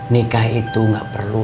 nikah itu gak perlu